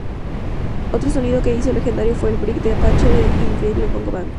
Otro sonido que hizo legendario fue el break de "Apache" de Incredible Bongo Band.